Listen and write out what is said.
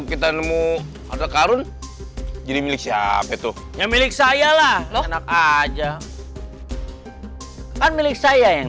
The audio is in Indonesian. kita nemu adek karun jadi milik mau ketuknya milik saya lah lo ngot' aja kan melbourne sayang